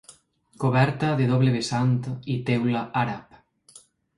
Coberta de doble vessant i teula àrab.